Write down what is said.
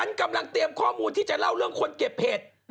กำลังเตรียมข้อมูลที่จะเล่าเรื่องคนเก็บเห็ด